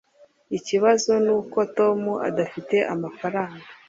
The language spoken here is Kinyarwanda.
Ikibazo nuko Tom adafite amafaranga.